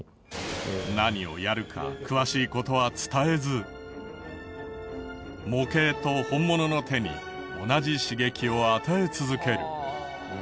何をやるか詳しい事は伝えず模型と本物の手に同じ刺激を与え続ける。